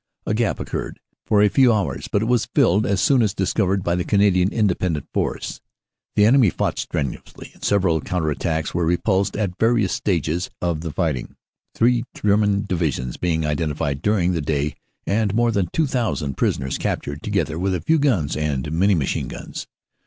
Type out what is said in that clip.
A gap occurred for a few hours, but it was rilled as soon as discovered by the Canadian Independent Force. "The enemy fought strenuously and several counter attacks were repulsed at various stages of the righting, three German Divisions being identified during the day and more than 2,000 prisoners captured together with a few guns and many machine guns.